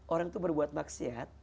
orang itu berbuat maksiat